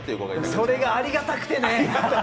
それがありがたくてね。